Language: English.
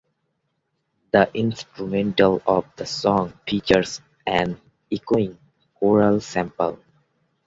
The instrumental of the song features an echoing choral sample.